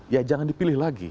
ya jangan dipilih lagi